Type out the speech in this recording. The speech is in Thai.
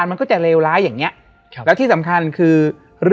และวันนี้แขกรับเชิญที่จะมาเยี่ยมในรายการสถานีผีดุของเรา